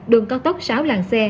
đường cao tốc sáu làng xe